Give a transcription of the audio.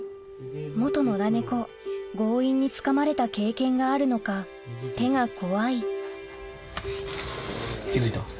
野良猫強引につかまれた経験があるのか気付いた。